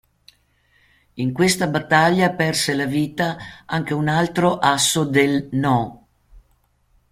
In questa battaglia perse la vita anche un altro asso del "No.